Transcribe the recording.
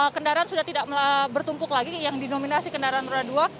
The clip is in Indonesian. kendaraan sudah tidak bertumpuk lagi yang dinominasi kendaraan roda dua